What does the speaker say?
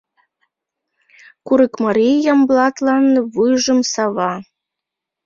Курыкмарий Ямблатлан вуйжым сава: